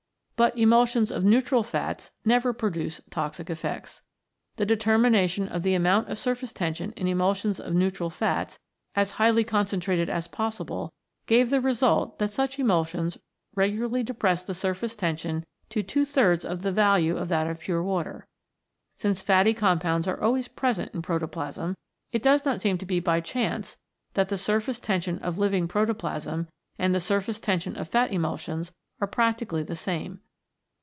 But emulsions of neutral fats never produce toxic effects. The determination of the amount of surface tension in emulsions of neutral fats as highly concentrated as possible, gave the result that such emulsions regularly depress the surface tension to two thirds of the value of that of pure water. Since fatty compounds are always present in protoplasm, it does not seem to be by chance that the surface tension of living protoplasm and the surface tension of fat emulsions are practically the same.